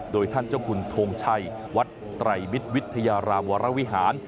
โดยท่านเจ้าคุณทงชัยวัดไตรมิตรวิทยารามวรวิหาร